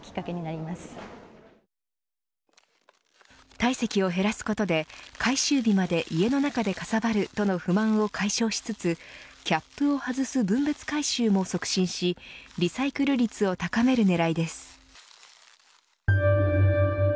体積を減らすことで回収日まで家の中でかさばるとの不安を解消しつつキャップを外す分別回収も促進しリサイクル率を高める狙いです。